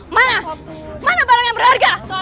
mana mana barang yang berharga